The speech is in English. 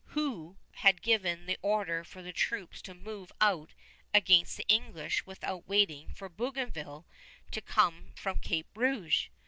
Who had given the order for the troops to move out against the English without waiting for Bougainville to come from Cape Rouge?